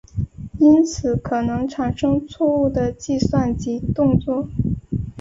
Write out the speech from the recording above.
因此可能产生错误的计算及动作。